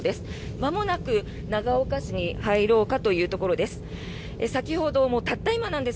まもなく長岡市に入ろうかというところです。